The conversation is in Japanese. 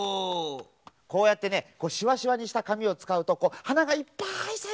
こうやってねしわしわにしたかみをつかうとはながいっぱいさいてるかんじになるだろう？